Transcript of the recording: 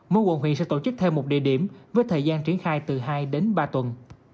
mỗi quận huyện sẽ tổ chức thêm một địa điểm với thời gian triển khai từ hai đến ba tuần